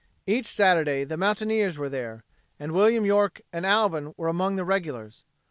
Each Saturday the mountaineers were there and William York and Alvin were among the "regulars."